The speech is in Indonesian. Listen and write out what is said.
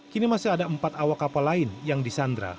kini masih ada empat awak kapal lain yang disandra